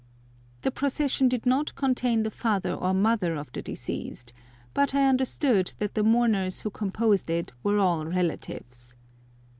The procession did not contain the father or mother of the deceased, but I understood that the mourners who composed it were all relatives.